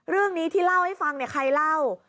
เรื่องนี้ที่เล่าให้ฟังเนี่ยใครเล่า